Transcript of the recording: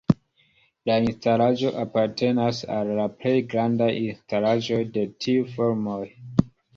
La instalaĵo apartenas al la plej grandaj instalaĵoj de tiu formoj.